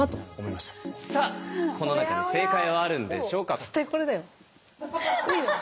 さあこの中に正解はあるんでしょうか。